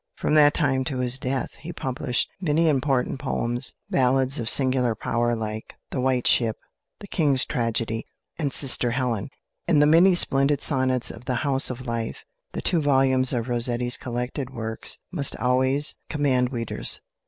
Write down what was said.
From that time to his death he published many important poems ballads of singular power like "The White Ship," "The King's Tragedy," and "Sister Helen," and the many splendid sonnets of "The House of Life." The two volumes of Rossetti's collected works must always command readers.